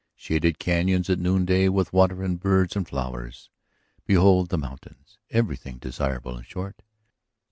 Shaded cañons at noonday with water and birds and flowers? Behold the mountains. Everything desirable, in short.